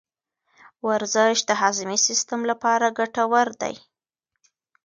ورزش د هاضمي سیستم لپاره ګټور دی.